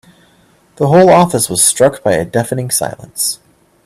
The whole office was struck by a deafening silence.